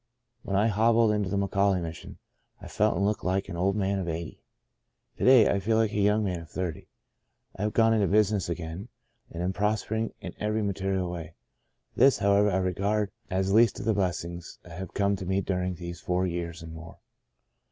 When I hobbled into the McAuley Mission, I felt and looked like an old man of eighty. To day, I feel like a young man of thirty. I have gone into business again, and am prospering in every material way. This, however, I regard as least of the blessings that have come to me during these four years and more.